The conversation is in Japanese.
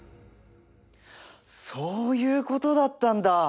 そういうことだったんだ。